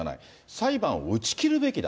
裁判を打ち切るべきだ。